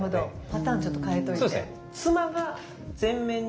パターンちょっと変えといて。